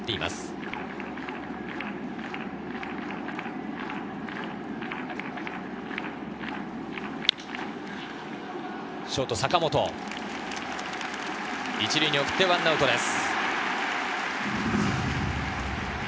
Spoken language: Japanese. １塁に送って１アウトです。